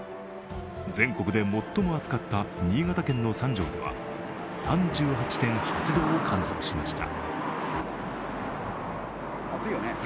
全国で最も暑かった新潟県の三条では３８．８度を観測しました。